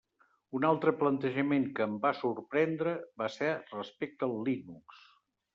Un altre plantejament que em va sorprendre va ser respecte al Linux.